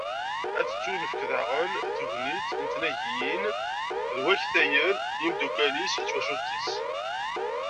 ad tettunefk daɣen tegnit n tnagiyin d waktayen n yimdukkal-is d twcult-is.